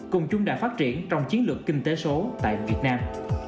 cùng chung đà phát triển trong chiến lược kinh tế số tại việt nam